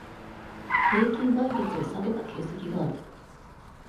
平均倍率を下げた形跡がある。